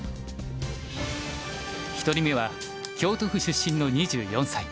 １人目は京都府出身の２４歳。